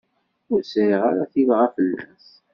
Ur sɛiɣ ara tilɣa fell-as.